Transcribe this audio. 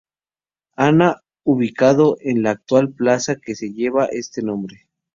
Ana, ubicado en la actual plaza que lleva este nombre.